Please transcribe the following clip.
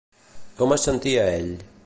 Com es sentia ell?